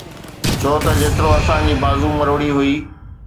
ڇو ته جيترو اسان جي بازو مروڙي هئي.